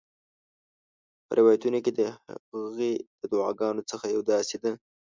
په روایتونو کې د هغې د دعاګانو څخه یوه داسي ده: